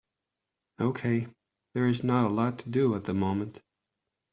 Okay, there is not a lot to do at the moment.